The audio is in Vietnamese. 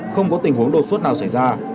không có tình huống đột xuất nào xảy ra